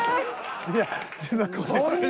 いや。